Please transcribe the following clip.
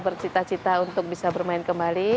bercita cita untuk bisa bermain kembali